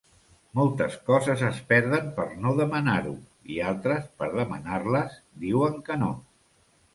Moltes coses es perden per no demanar-ho; i altres, per demanar-les, diuen que no.